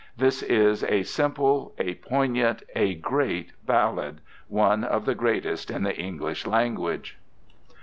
This is a simple, a poignant, a great ballad, one of the greatest in the English language.'